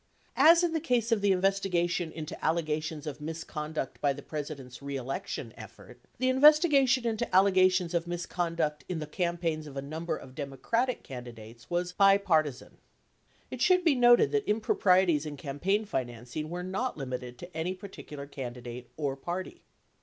As in the case of the investigation into allegations of misconduct by the President's re election effort, the investigation into allegations of misconduct in the campaigns of a number of Democratic candidates was bipartisan. It should be noted that improprieties in campaign financing were not limited to any particular candidate or party.